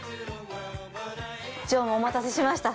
常務お待たせしました。